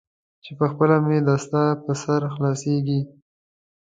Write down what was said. چې پخپله مې دستار پر سر خلاصیږي.